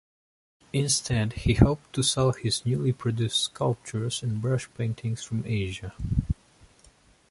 Instead, he hoped to sell his newly produced sculptures and brush paintings from Asia.